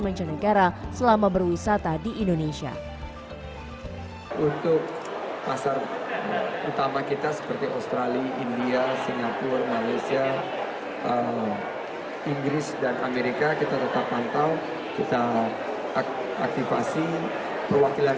kami juga meminta perwakilan indonesia untuk melakukan sosialisasi jika pemerintah indonesia menjamin kemampuan penumpang yang diperlukan